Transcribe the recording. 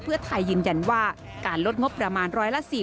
เพื่อไทยยืนยันว่าการลดงบประมาณร้อยละ๔๐